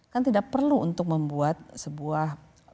kan tidak perlu untuk membuat sebuah